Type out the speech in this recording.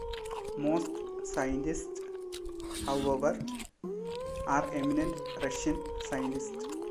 Most scientists, however, are eminent Russian scientists.